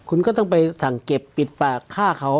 คุณก็ต้องไปสั่งเก็บปิดปากฆ่าเขา